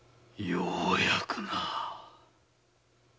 ようやくな。